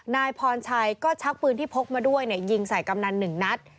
นายพรชัยก็ชักปืนที่พกมาด้วยยิงใส่กำนันหนึ่งนัด